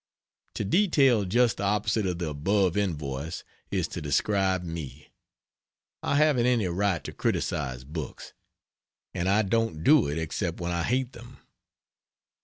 To detail just the opposite of the above invoice is to describe me. I haven't any right to criticise books, and I don't do it except when I hate them.